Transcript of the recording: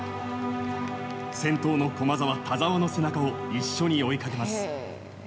先頭の駒澤、田澤の背中を一緒に追いかけます。